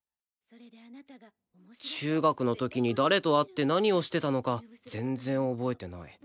中学の時に誰と会って何をしてたのか全然覚えてない